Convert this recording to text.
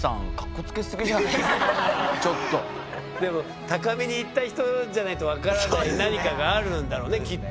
ちょっとでも高みに行った人じゃないと分からない何かがあるんだろうねきっと。